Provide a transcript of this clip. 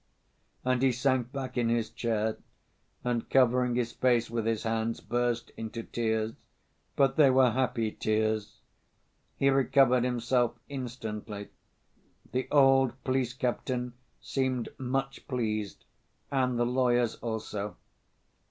And he sank back in his chair and, covering his face with his hands, burst into tears. But they were happy tears. He recovered himself instantly. The old police captain seemed much pleased, and the lawyers also.